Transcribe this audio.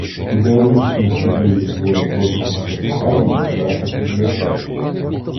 Ідеологічно шкідливі твори Троцького та Бухаріна забрати з бібліотеки.